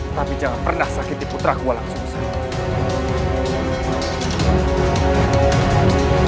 tapi jangan pernah sakiti putraku walang susah